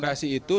terima kasih itu